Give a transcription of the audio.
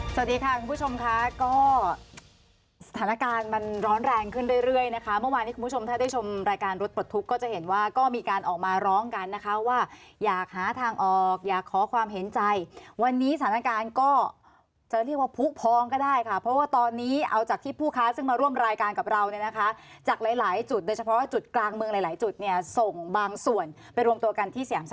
สวัสดีค่ะคุณผู้ชมค่ะก็สถานการณ์มันร้อนแรงขึ้นเรื่อยนะคะเมื่อวานที่คุณผู้ชมถ้าได้ชมรายการรถปลดทุกก็จะเห็นว่าก็มีการออกมาร้องกันนะคะว่าอยากหาทางออกอยากขอความเห็นใจวันนี้สถานการณ์ก็จะเรียกว่าพุพองก็ได้ค่ะเพราะว่าตอนนี้เอาจากที่ผู้ค้าซึ่งมาร่วมรายการกับเราเนี่ยนะคะจากหลายหลายจุดโดยเฉพาะจ